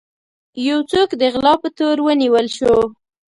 يو څوک د غلا په تور ونيول شو.